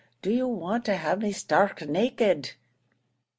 do you want to have me stark naked?"